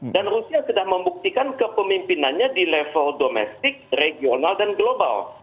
dan rusia sudah membuktikan kepemimpinannya di level domestik regional dan global